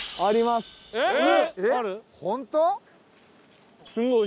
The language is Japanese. すごい！